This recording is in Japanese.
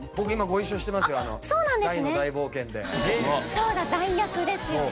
そうだダイ役ですよね。